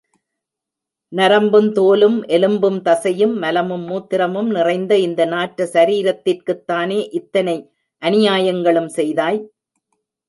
நரம்பும், தோலும், எலும்பும், தசையும், மலமும், மூத்திரமும் நிறைந்த இந்த நாற்ற சரீரத்திற்குத் தானே இத்தனை அநியாயங்களும் செய்தாய்?